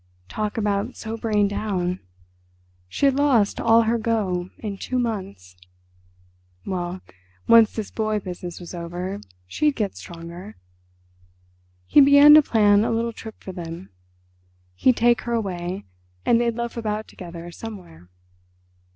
Talk about sobering down. She had lost all her go in two months! Well, once this boy business was over she'd get stronger. He began to plan a little trip for them. He'd take her away and they'd loaf about together somewhere.